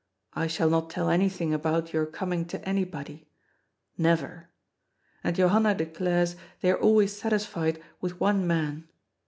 I shall not tell anything about your coming to anybody. Never. And Johanna declares they are always satisfied with one man.